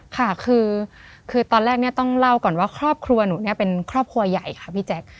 ค่ะคือตอนแรกเนี่ยต้องเล่าก่อนว่าครอบครัวหนูเนี่ยเป็นครอบครัวใหญ่ค่ะพี่แจ๊ค